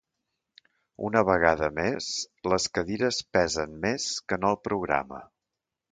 Una vegada més, les cadires pesen més que no el programa.